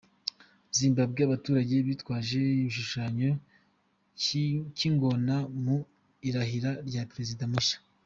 Zimbabwe: Abaturage bitwaje igishushanyo cy’ingona mu irahira rya Perezida mushya.